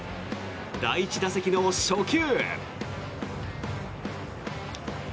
第１打席の初球。